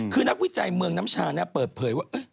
คือนักวิจัยเมืองน้ำชาเปิดเผยว่า